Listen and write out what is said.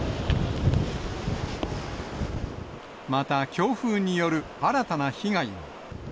また、強風による新たな被害も。